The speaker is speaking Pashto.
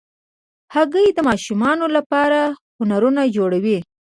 هګۍ د ماشومانو لپاره هنرونه جوړوي.